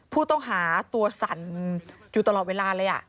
ผู้ต้องหาตัวสั่นอยู่ตลอดเวลาเลย